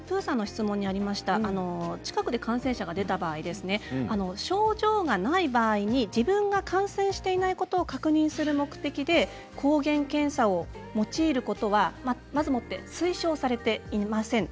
近くで感染者が出た場合症状がない場合に自分が感染していないことを確認する目的で抗原検査を用いることはまずもって推奨されていません。